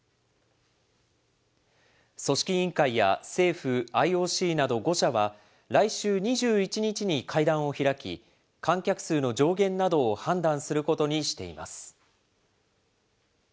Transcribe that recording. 組織委員会や政府、ＩＯＣなど５者は、来週２１日に会談を開き、観客数の上限などを判断することにしています。